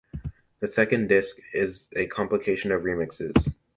The second disc is a compilation of remixes.